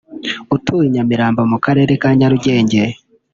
utuye i Nyamirambo mu karere ka Nyarugenge